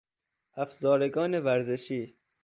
افزارگان ورزشی